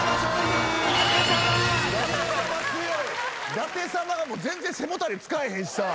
舘様が全然背もたれ使わへんしさ。